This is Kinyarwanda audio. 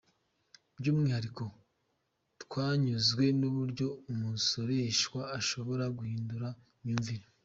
By’umwihariko, twanyuzwe n’uburyo umusoreshwa ashobora guhindura imyumvire.